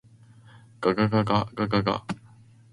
がががががが